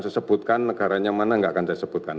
saya sebutkan negaranya mana nggak akan saya sebutkan